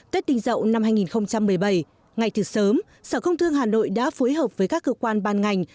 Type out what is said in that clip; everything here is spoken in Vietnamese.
tết đinh dậu năm hai nghìn một mươi bảy ngay từ sớm sở công thương hà nội đã phối hợp với các cơ quan ban ngành